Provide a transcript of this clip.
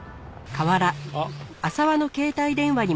あっ。